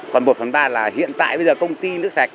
còn một phần ba là hiện tại công ty nước sạch